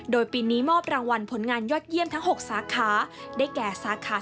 โดยปีนี้มอบรางวัลผลงานยอดเยี่ยมทั้ง๖สาขา